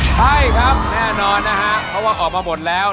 ใช่ครับแน่นอนนะฮะเพราะว่าออกมาหมดแล้ว